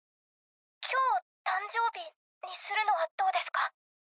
今日を誕生日にするのはどうですか？